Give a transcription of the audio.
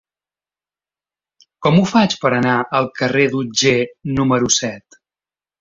Com ho faig per anar al carrer d'Otger número set?